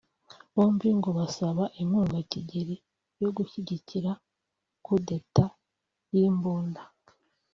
Bombi ngo basabaga inkunga Kigeli yo gushyigikira «coup d’Etat» y’imbunda